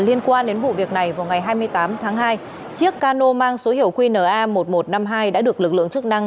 liên quan đến vụ việc này vào ngày hai mươi tám tháng hai chiếc cano mang số hiệu qna một nghìn một trăm năm mươi hai đã được lực lượng chức năng